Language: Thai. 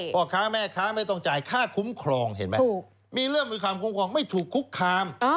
พ่อค้าแม่ค้าไม่ต้องจ่ายค่าคุ้มครองเห็นไหมมีเรื่องมีความคุ้มครองไม่ถูกคุกคาม